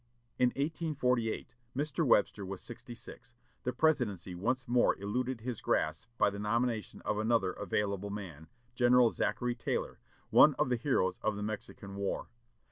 In 1848, when Mr. Webster was sixty six, the presidency once more eluded his grasp by the nomination of another "available" man, General Zachary Taylor, one of the heroes of the Mexican War.